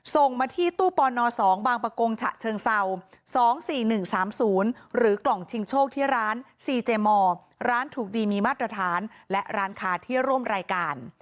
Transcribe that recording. ส่งมาที่ตู้ปน๒บางประกงฉะเชิงเศร้า๒๔๑๓๐หรือกล่องชิงโชคที่ร้านซีเจมอร์ร้านถูกดีมีมาตรฐานและร้านค้าที่ร่วมรายการ